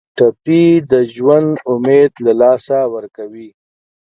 ټپي د ژوند امید له لاسه ورکوي.